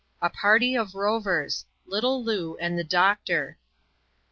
A Party of Royere. — Little Loo and the Doctor.